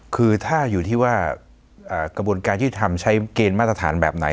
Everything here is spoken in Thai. คือถ้าอยู่ที่กระบวนการยึดทำใช้เกณฑ์มาตรฐานแบบไหน